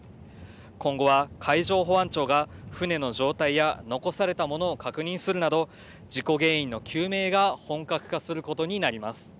今後は海上保安庁が、船の状態や、残されたものを確認するなど、事故原因の究明が本格化することになります。